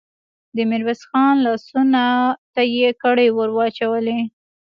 د ميرويس خان لاسونو ته يې کړۍ ور واچولې.